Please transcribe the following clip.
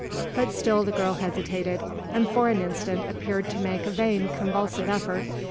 But still the girl hesitated, and for an instant appeared to make a vain, convulsive effort.